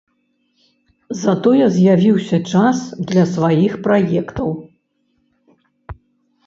Затое з'явіўся час для сваіх праектаў.